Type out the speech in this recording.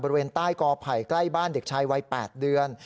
บริเวณใต้กอไผ่ใกล้บ้านเด็กชายวัย๘เดือน